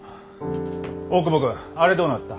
大窪君あれどうなった？